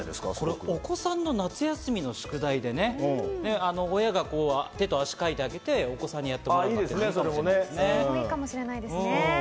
お子さんの夏休みの宿題で親が手と足描いてあげてお子さんが色を塗ったらいいかもしれないですね。